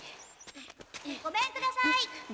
・ごめんください。